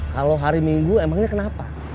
kalau hari minggu emang ini kenapa